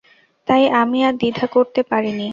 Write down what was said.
তাই আমি আর দ্বিধা করতে পারিনি।